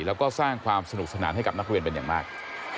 แล้วก็สร้างความสนุกสนานให้กับนักเรียนเป็นอย่างมาก